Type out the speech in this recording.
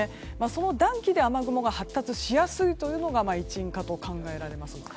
その暖気で雨雲が発達しやすいのが一因かと考えられます。